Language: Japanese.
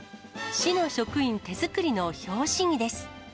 市の職員手作りの拍子木です。